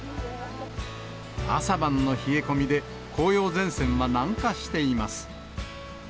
朝晩の冷え込みで、紅葉前線は南下しています。